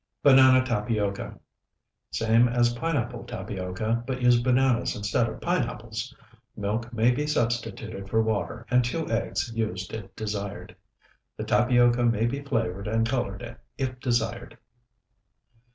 BANANA TAPIOCA Same as pineapple tapioca, but use bananas instead of pineapples. Milk may be substituted for water, and two eggs used if desired. The tapioca may be flavored and colored if desired.